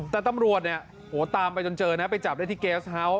แต่ตำรวจตามไปจนเจอไปจับได้ที่เกสเฮาส์